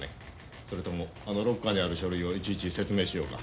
それともあのロッカーにある書類をいちいち説明しようか。